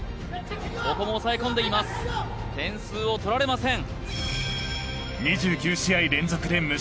ここも押さえ込んでいます点数を取られません